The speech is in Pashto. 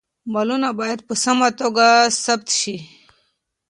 مالونه باید په سمه توګه ثبت شي.